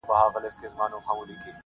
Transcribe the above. ځيني خلک ستاينه کوي,